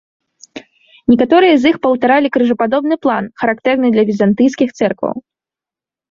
Некаторыя з іх паўтаралі крыжападобны план, характэрны для візантыйскіх цэркваў.